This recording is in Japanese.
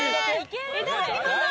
いただきます。